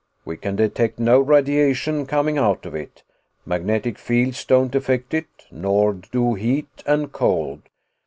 We can detect no radiation coming out of it. Magnetic fields don't effect it, nor do heat and cold.